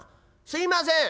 すいません」。